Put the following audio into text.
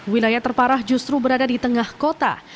wilayah terparah justru berada di tengah kota